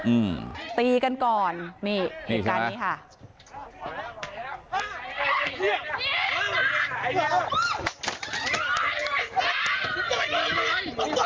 อืมตีกันก่อนนี่เหตุการณ์นี้ค่ะ